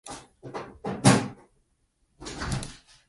That same year he self-released his first solo album, "Music of Hair".